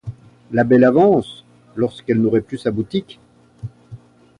La belle avance, lorsqu'elle n'aurait plus sa boutique!